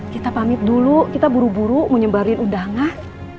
kita pamit dulu kita buru buru mau nyebarin undangan